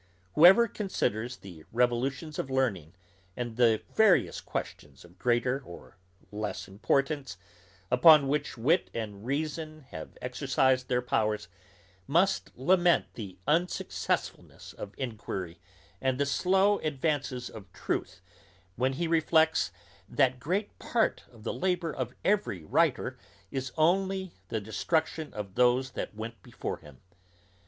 Whoever considers the revolutions of learning, and the various questions of greater or less importance, upon which wit and reason have exercised their powers, must lament the unsuccessfulness of enquiry, and the slow advances of truth, when he reflects, that great part of the labour of every writer is only the destruction of those that went before him.